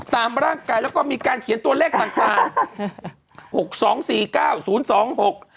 ตามร่างกายแล้วก็มีการเขียนตัวเลขต่าง